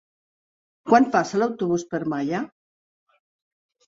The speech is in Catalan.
Quan passa l'autobús per Malla?